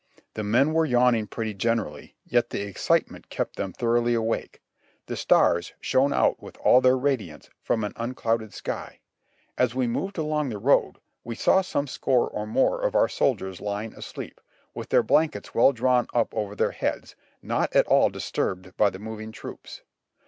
The men were yawning pretty generally, yet the excitement kept them thoroughly awake ; the stars shone out with all their radiance from an unclouded sky; as we moved along the road, we saw some score or more of our soldiers lying asleep, with their blankets well drawn up over their heads, not at all disturbed by the moving troops.